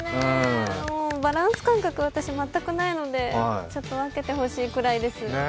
バランス感覚、私全くないのでちょっと分けてほしいくらいです。